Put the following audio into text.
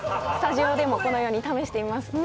スタジオでもこのように試してみます。